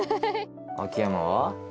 秋山は？